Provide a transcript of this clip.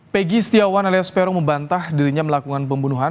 pegi setiawan alias peru membantah dirinya melakukan pembunuhan